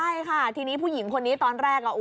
ใช่ค่ะทีนี้ผู้หญิงคนนี้ตอนแรก